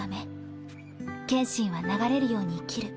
剣心は流れるように生きる